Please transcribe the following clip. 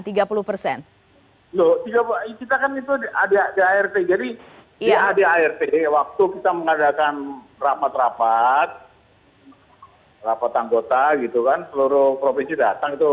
kita kan itu di art jadi di art waktu kita mengadakan rapat rapat rapat anggota gitu kan seluruh provinsi datang itu